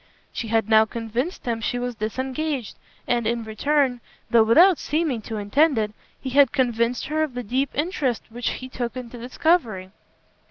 She had now convinced him she was disengaged, and in return, though without seeming to intend it, he had convinced her of the deep interest which he took in the discovery.